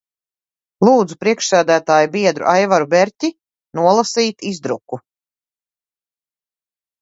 Lūdzu priekšsēdētāja biedru Aivaru Berķi nolasīt izdruku.